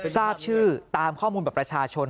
ทราบชื่อตามข้อมูลบัตรประชาชน